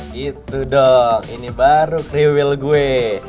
gitu dong ini baru kriwil gue